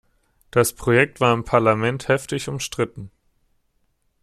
Das Projekt war im Parlament heftig umstritten.